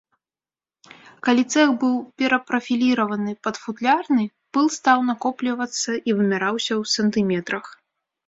Калі цэх быў перапрафіліраваны пад футлярны, пыл стаў накоплівацца і вымяраўся ў сантыметрах.